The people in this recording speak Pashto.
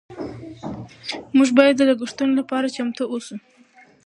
موږ باید د لګښتونو لپاره چمتو اوسو.